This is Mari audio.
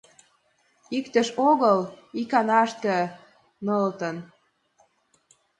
Иктыш огыл — иканаште нылытын!.